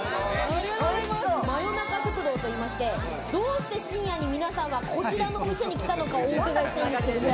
真夜中食堂といいまして、どうして深夜に皆さんはこちらのお店に来たのかをお伺いしたいんですけれども。